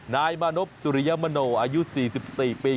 นายมานพสุริยมโนอายุ๔๔ปี